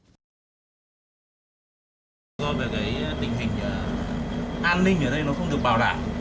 do về cái tình hình an ninh ở đây nó không được bảo đảm